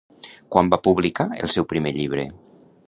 Quan va publicar el seu primer llibre?